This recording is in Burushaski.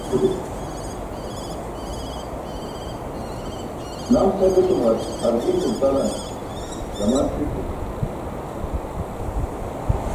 Nams het etumar hargin nultalan daman ṣi̇c̣i.